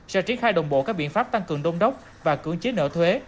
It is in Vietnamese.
sẽ triển khai đồng bộ các biện pháp tăng cường đông đốc và cưỡng chế nợ thuế